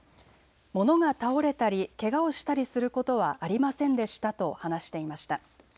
物が倒れたり、けがをしたりすることはありませんでしたと話していました。